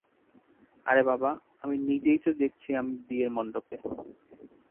- আরে বাবা, আমি নিজেই তো দেখছি আমি বিয়ের মন্ডপে।